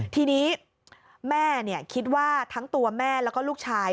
ทีนี้แม่คิดว่าทั้งตัวแม่แล้วก็ลูกชาย